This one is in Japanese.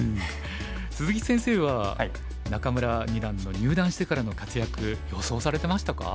鈴木先生は仲邑二段の入段してからの活躍予想されてましたか？